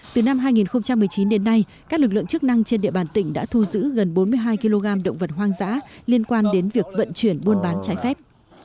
từ năm hai nghìn một mươi chín đến nay các lực lượng chức năng trên địa bàn tỉnh đã thu giữ gần bốn mươi hai kg động vật hoang dã liên quan đến việc vận chuyển buôn bán trái phép